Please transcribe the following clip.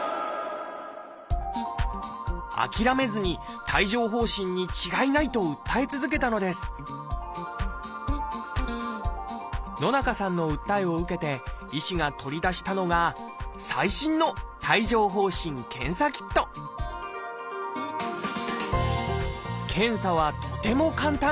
諦めずに帯状疱疹に違いないと訴え続けたのです野中さんの訴えを受けて医師が取り出したのが最新の検査はとても簡単。